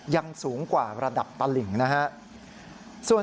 ยังสูงกว่าระดับตลิ่งนะครับ